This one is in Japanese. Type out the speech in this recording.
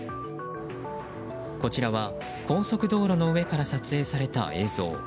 こちらは高速道路の上から撮影された映像。